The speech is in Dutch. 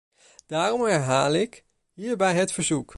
Daarom herhaal ik hierbij het verzoek.